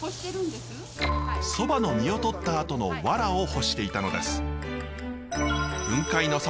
そばの実をとったあとのわらを干していたのです。